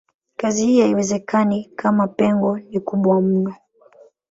Kazi hii haiwezekani kama pengo ni kubwa mno.